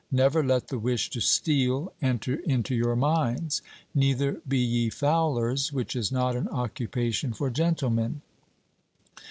Never let the wish to steal enter into your minds; neither be ye fowlers, which is not an occupation for gentlemen.